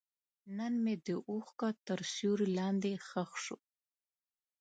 زړه مې د اوښکو تر سیوري لاندې ښخ شو.